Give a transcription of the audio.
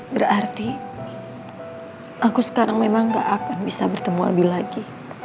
berarti aku sekarang memang gak akan bisa bertemu abi lagi